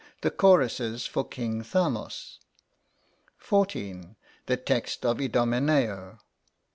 The choruses for "King Thamos." 14. The text of "Idomeneo."